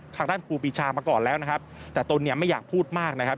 ทางด้านครูปีชามาก่อนแล้วนะครับแต่ตนเนี่ยไม่อยากพูดมากนะครับ